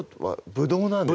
ブドウなんですよ